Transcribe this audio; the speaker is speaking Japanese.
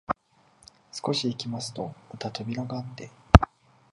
少し行きますとまた扉があって、